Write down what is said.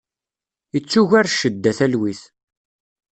Ittuger ccedda talwit.